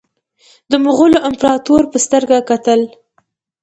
د مغولو امپراطور په سترګه کتل.